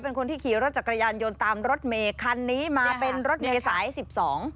เป็นคนที่ขี่รถจักรยานยนต์ตามรถเมย์คันนี้มาเป็นรถเมย์สายสิบสอง